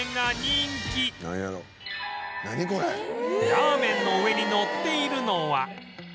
ラーメンの上にのっているのは